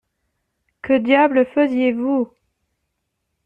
Que diable faisiez-vous?